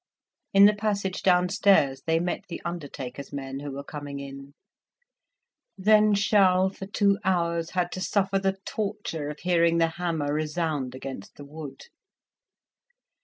In the passage downstairs they met the undertaker's men, who were coming in. Then Charles for two hours had to suffer the torture of hearing the hammer resound against the wood.